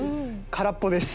空っぽです。